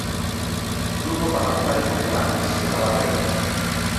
Grupo Parlamentario Popular, señora Barreiras.